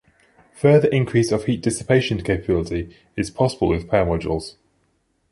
Further increase of heat dissipation capability is possible with power modules.